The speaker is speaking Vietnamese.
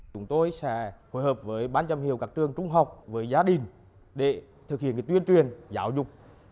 chúng tôi sẽ hội hợp với bán chăm hiệu các trường trung học với gia đình để thực hiện tuyên truyền giáo dục